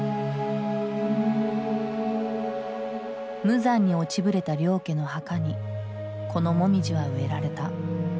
無残に落ちぶれた領家の墓にこのモミジは植えられた。